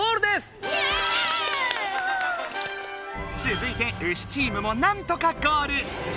つづいてウシチームもなんとかゴール。